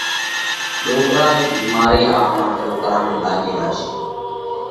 ڏوڪرا رئِي ڀيمارئِي آپڻا سوڪرا نئہ لاڳي زاشي۔